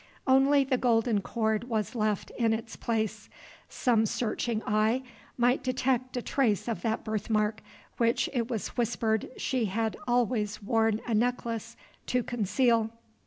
Only the golden cord was left in its place: some searching eye might detect a trace of that birthmark which it was whispered she had always worn a necklace to conceal.